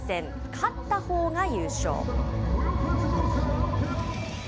勝ったほうが優勝。